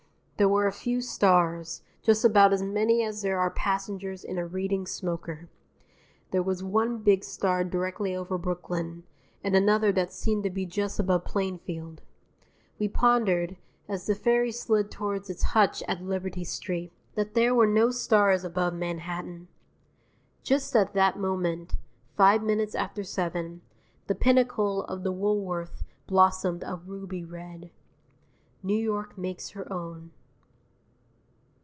There were a few stars, just about as many as there are passengers in a Reading smoker. There was one big star directly over Brooklyn, and another that seemed to be just above Plainfield. We pondered, as the ferry slid toward its hutch at Liberty Street, that there were no stars above Manhattan. Just at that moment five minutes after seven the pinnacle of the Woolworth blossomed a ruby red. New York makes her own.